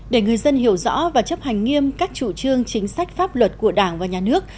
để người dân hiểu rõ và chấp hành nghiêm các chủ trương chính sách pháp luật của đảng và nhà nước